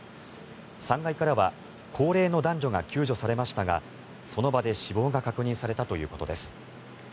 ３階からは高齢の男女が救助されましたがその場で死亡が確認されたということです。